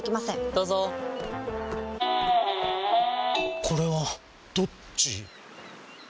どうぞこれはどっち？